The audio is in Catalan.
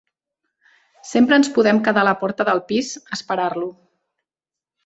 Sempre ens podem quedar a la porta del pis, a esperar-lo.